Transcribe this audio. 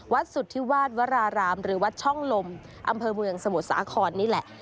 สุธิวาสวรารามหรือวัดช่องลมอำเภอเมืองสมุทรสาครนี่แหละ